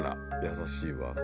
優しいわ。